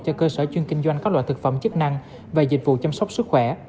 cho cơ sở chuyên kinh doanh các loại thực phẩm chức năng và dịch vụ chăm sóc sức khỏe